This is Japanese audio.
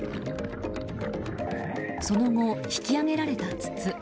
その後、引き揚げられた筒。